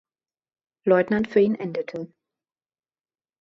Leutnant für ihn endete.